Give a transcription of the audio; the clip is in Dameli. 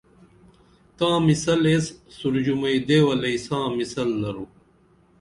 تاں مِثل ایس سُورژُمئی دیولئی ساں مثل درو